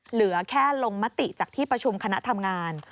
เหลือแค่ลงมติจากที่ประชุมคณะทำงาน